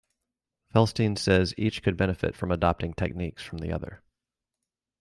Felstein says each could benefit from adopting techniques from the other.